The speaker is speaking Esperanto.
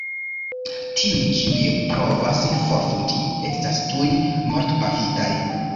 Tiuj, kiuj provas forfuĝi estas tuj mortpafitaj.